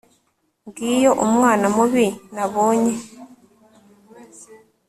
Ngiyo umwana mubi nabonye